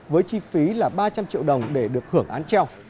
với chi phí là ba trăm linh triệu đồng để được hưởng án treo